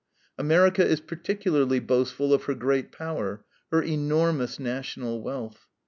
America is particularly boastful of her great power, her enormous national wealth.